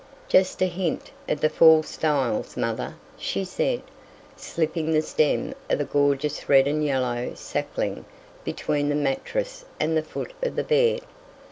"Just a hint of the fall styles, mother," she said, slipping the stem of a gorgeous red and yellow sapling between the mattress and the foot of the bed.